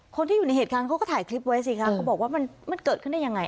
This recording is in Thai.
คนที่อยู่ในเหตุการณ์เขาก็ถ่ายคลิปไว้สิคะเขาบอกว่ามันเกิดขึ้นได้ยังไง